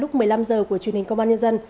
lúc một mươi năm h của truyền hình công an nhân dân